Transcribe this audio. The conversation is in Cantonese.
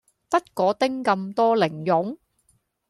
得果丁咁多零用